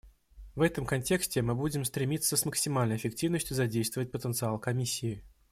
В этом контексте мы будем стремиться с максимальной эффективностью задействовать потенциал Комиссии.